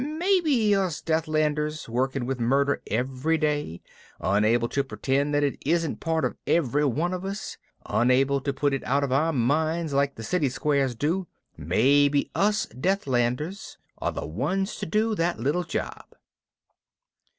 Maybe us Deathlanders, working with murder every day, unable to pretend that it isn't part of every one of us, unable to put it out of our minds like the city squares do maybe us Deathlanders are the ones to do that little job."